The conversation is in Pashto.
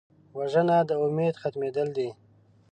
وژنه د امید ختمېدل دي